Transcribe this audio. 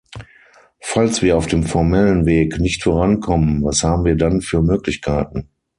Falls wir auf dem formellen Weg nicht vorankommen, was haben wir dann für Möglichkeiten?